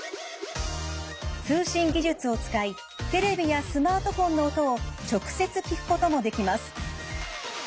通信技術を使いテレビやスマートフォンの音を直接聞くこともできます。